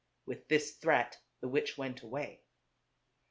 With this threat the witch went away.